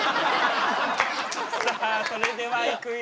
さあそれではいくよ。